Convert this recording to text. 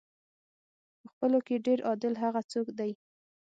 په خپلو کې ډېر عادل هغه څوک دی.